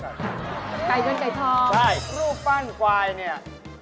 ไก่เงินไก่ทองใช่รูปปั้นควายเนี่ย